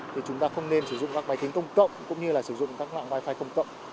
thì chúng ta không nên sử dụng các máy tính công cộng cũng như là sử dụng các loại wifi công cộng